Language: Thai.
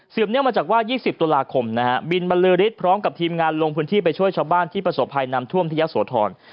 เนื่องมาจากว่า๒๐ตุลาคมนะฮะบินบรรลือฤทธิ์พร้อมกับทีมงานลงพื้นที่ไปช่วยชาวบ้านที่ประสบภัยนำท่วมที่ยะโสธร